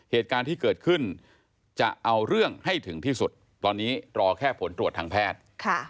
เหตุการณ์ที่เกิดขึ้นจะเอาเรื่องให้ถึงที่สุดตอนนี้รอแค่ผลตรวจทางแพทย์